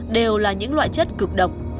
đều là những loại chất cực độc